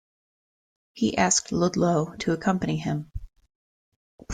He asked Ludlow to accompany him.